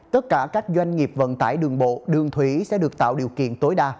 tất cả các doanh nghiệp vận tải đường bộ đường thủy sẽ được tạo điều kiện tối đa